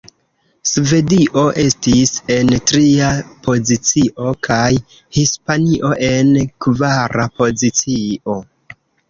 Svedio estis en tria pozicio, kaj Hispanio en kvara pozicio.